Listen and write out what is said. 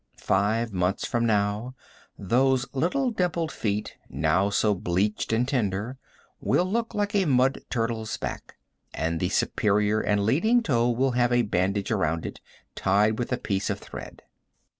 Five months from now those little dimpled feet, now so bleached and tender, will look like a mudturtle's back and the superior and leading toe will have a bandage around it, tied with a piece of thread.